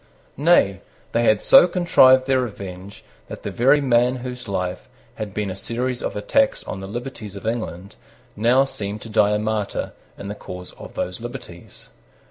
Nay, they had so contrived their revenge that the very man whose life had been a series of attacks on the liberties of England now seemed to die a martyr in the cause of those liberties.